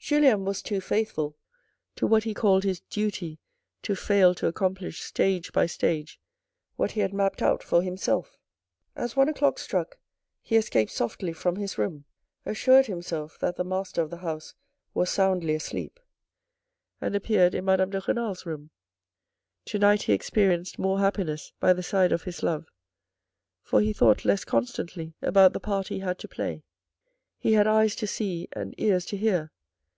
Julien was too faithful to what he called his duty to fail to accomplish stage by stage what he had mapped out for himself. THE DAY AFTER 95 As one o'clock struck, he escaped softly from his room, assured himself that the master of the house was soundly asleep, and appeared in Madame de Renal's room. To night he experienced more happiness by the side of his love, for he thought less constantly about the part he had to play. He had eyes to see, and ears to hear.